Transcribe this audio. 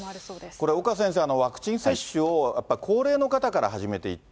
これ、岡先生、ワクチン接種をやっぱ、高齢の方から始めていった。